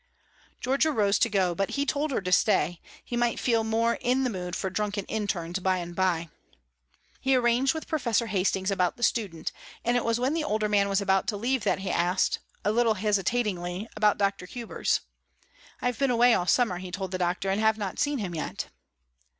Georgia rose to go, but he told her to stay, he might feel more in the mood for drunken interns by and by. He arranged with Professor Hastings about the student; and it was when the older man was about to leave that he asked, a little hesitatingly, about Dr. Hubers. "I have been away all summer," he told the doctor, "and have not seen him yet."